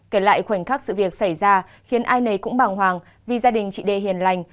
kể lại khoảnh khắc sự việc xảy ra khiến ai nấy cũng bằng hoàng vì gia đình chị đê hiền lành